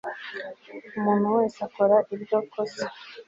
umuntu wese akora iryo kosa